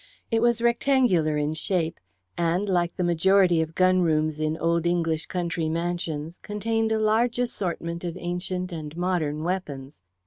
It was rectangular in shape, and, like the majority of gun rooms in old English country mansions, contained a large assortment of ancient and modern weapons.